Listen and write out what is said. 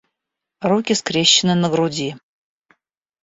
Руки скрещены на груди